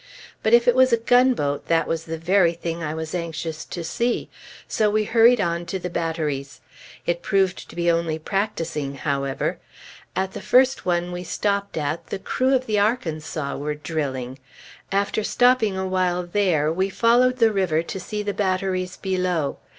But if it was a gunboat, that was the very thing I was anxious to see; so we hurried on to the batteries. It proved to be only practicing, however. At the first one we stopped at, the crew of the Arkansas were drilling. After stopping a while there, we followed the river to see the batteries below.